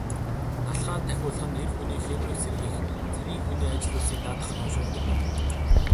Далха тахиулах нь эр хүний хийморийг сэргээх, цэргийн хүний ажил үйлсийг даатгахад уншуулдаг ном.